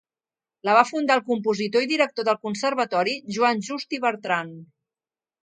La va fundar el compositor i director del Conservatori, Joan Just i Bertran.